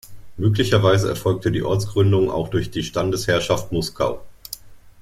Möglicherweise erfolgte die Ortsgründung auch durch die Standesherrschaft Muskau.